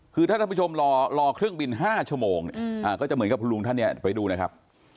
คือถ้าท่านผู้ชมรอเครื่องบิน๕ชั่วโมงเนี่ยก็จะเหมือนกับคุณลุงท่านเนี่ยไปดูนะครับ